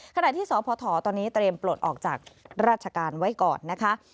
ขณะที่สพตอนนี้เตรียมปลดออกจากราชการไว้ก่อนนะคะ